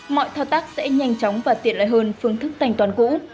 mọi thao tác sẽ nhanh chóng và tiện lợi hơn phương thức thanh toán cũ